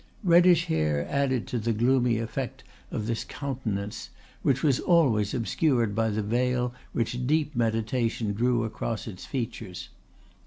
Reddish hair added to the gloomy effect of this countenance, which was always obscured by the veil which deep meditation drew across its features.